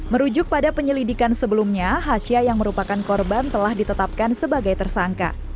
merujuk pada penyelidikan sebelumnya hasyah yang merupakan korban telah ditetapkan sebagai tersangka